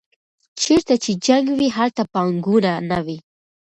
چېرته چې جنګ وي هلته پانګونه نه وي.